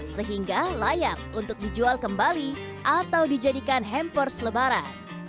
sehingga layak untuk dijual kembali atau dijadikan hampor selebaran